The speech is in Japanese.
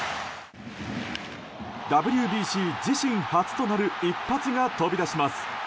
ＷＢＣ自身初となる一発が飛び出します。